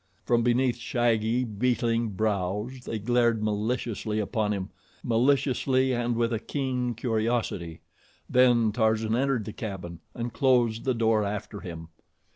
From beneath shaggy, beetling brows they glared maliciously upon him, maliciously and with a keen curiosity; then Tarzan entered the cabin and closed the door after him.